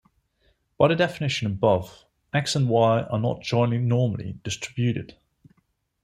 By the definition above, "X" and "Y" are not jointly normally distributed.